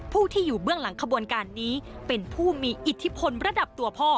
ผู้ที่อยู่เบื้องหลังขบวนการนี้เป็นผู้มีอิทธิพลระดับตัวพ่อ